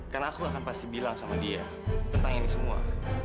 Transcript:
karena aku gak akan pasti bilang sama dia tentang ini semua